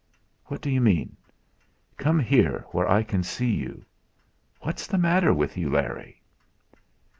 "What do you mean? Come here, where I can see you. What's the matter with you, Larry?"